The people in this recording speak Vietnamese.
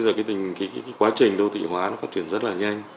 bây giờ cái quá trình đô thị hóa nó phát triển rất là nhanh